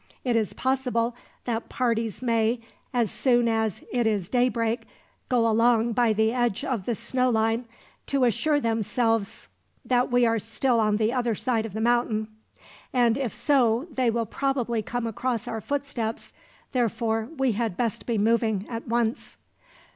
It is possible that parties may, as soon as it is daybreak, go along by the edge of the snow line, to assure themselves that we are still on the other side of the mountain; and if so, they will probably come across our footsteps therefore we had best be moving, at once."